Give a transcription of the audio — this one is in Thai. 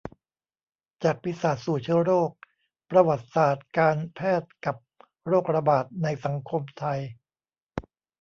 จากปีศาจสู่เชื้อโรค : ประวัติศาสตร์การแพทย์กับโรคระบาดในสังคมไทย